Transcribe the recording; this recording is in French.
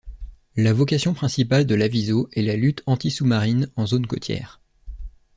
La vocation principale de l'aviso est la lutte anti-sous-marine en zone côtière.